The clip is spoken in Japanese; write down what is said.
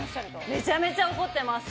めちゃめちゃ怒ってます。